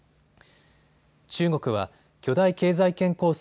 中国は巨大経済圏構想